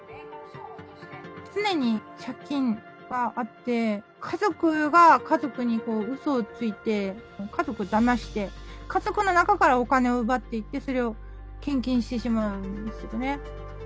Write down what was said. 常に借金があって、家族が家族にうそをついて、家族をだまして、家族の中からお金を奪っていって、それを献金してしまうんですけどね。